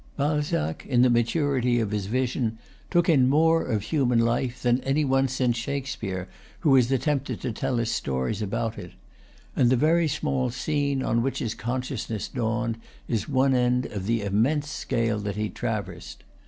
Balzac, in the maturity of his vision, took in more of human life than any one, since Shakspeare, who has attempted to tell us stories about it; and the very small scene on which his consciousness dawned is one end of the immense scale that he traversed.